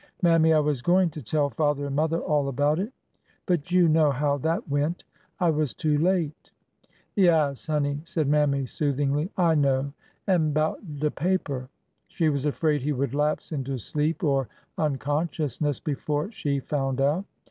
Mammy, I was going to tell father and mother all about it,— but you know how that went. I was too late.'' Yaas, honey,'' said Mammy, soothingly; 1 know. An' 'bout de paper—'' She was afraid he would lapse into sleep or unconsciousness before she found out.